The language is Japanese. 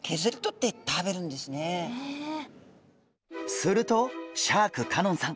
するとシャーク香音さん